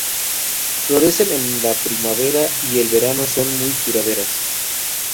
Florecen en la primavera y el verano y son muy duraderas.